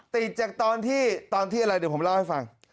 ติดจากตอนที่ตอนที่อะไรเดี๋ยวผมเล่าให้ฟัง